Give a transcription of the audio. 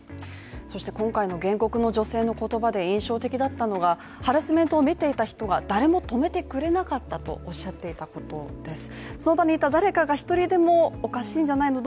そして今回の原告の女性の言葉で印象的だったのが、ハラスメントを見てていた人が誰も止めてくれなかったとおっしゃっていたことです